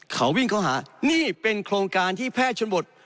เขาวิ่งเข้าหานี่เป็นโครงการที่แพทย์ชนบท